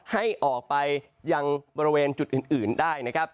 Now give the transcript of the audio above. ให้ออกไปยังบริเวณจุดอื่นได้นะครับ